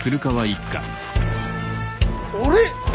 あれ？